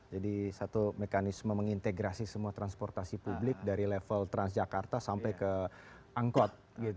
jadi satu mekanisme mengintegrasi semua transportasi publik dari level transjakarta sampai ke angkot